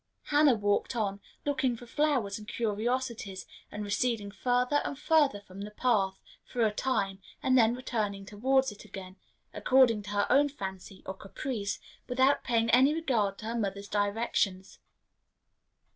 Hannah walked on, looking for flowers and curiosities, and receding farther and farther from the path, for a time, and then returning towards it again, according to her own fancy or caprice, without paying any regard to her mother's directions.